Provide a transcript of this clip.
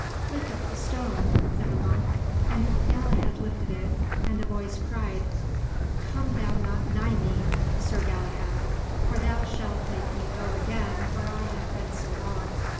"Lift up the stone," said a monk, and Galahad lifted it, and a voice cried, "Come thou not nigh me, Sir Galahad, for thou shalt make me go again where I have been so long."